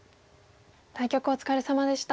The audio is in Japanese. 対局お疲れさまでした。